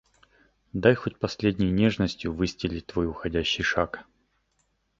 Дай хоть последней нежностью выстелить твой уходящий шаг.